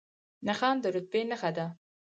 نښان د رتبې نښه ده